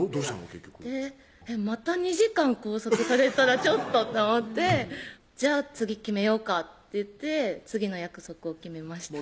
結局また２時間拘束されたらちょっとって思って「じゃあ次決めようか」って言って次の約束を決めました